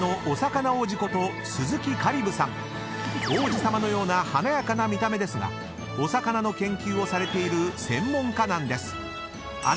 ［王子さまのような華やかな見た目ですがお魚の研究をされている専門家なんです］